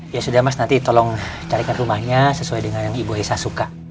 ya sudah mas nanti tolong carikan rumahnya sesuai dengan yang ibu heisa suka